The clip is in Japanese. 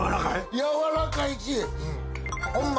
やわらかいしホンマ